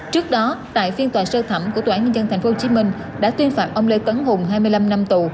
trước đó tại phiên tòa sơ thẩm của tòa án nhân dân tp hcm đã tuyên phạt ông lê tấn hùng hai mươi năm năm tù